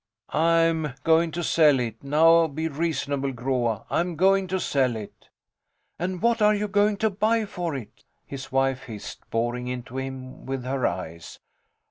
I'm going to sell it. Now be reasonable, Groa. I'm going to sell it. And what are you going to buy for it? his wife hissed, boring into him with her eyes.